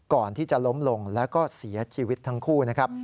ก่อนที่จะล้มลงแล้วก็เสียชีวิตทั้งคู่นะครับ